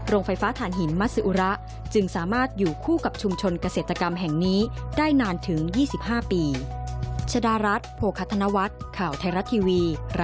โรงไฟฟ้าฐานหินมัสอุระจึงสามารถอยู่คู่กับชุมชนเกษตรกรรมแห่งนี้ได้นานถึง๒๕ปี